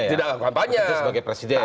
tidak beraktifitas kampanye